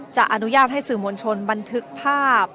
จะอนุญาตให้สื่อมวลชนบันทึกภาพ